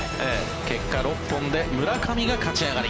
結果、６本で村上が勝ち上がり。